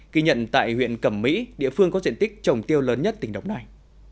ghi nhận tại huyện cẩm mỹ địa phương có diện tích trồng tiêu lớn nhất tỉnh đồng nai